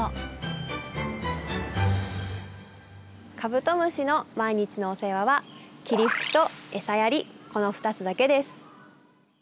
カブトムシの毎日のお世話は霧吹きとエサやりこの２つだけです。